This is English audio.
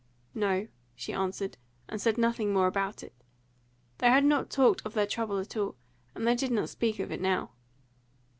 "No," she answered, and said nothing more about it. They had not talked of their trouble at all, and they did not speak of it now.